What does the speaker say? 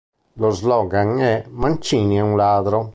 Lo slogan è “Mancini è un ladro”.